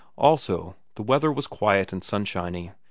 Also the weather was quiet and sunshiny.